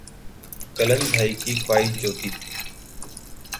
کلن بھائی کی خواہش جوتی